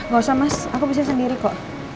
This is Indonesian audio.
gak usah mas aku bisa sendiri kok